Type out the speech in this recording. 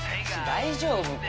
大丈夫か？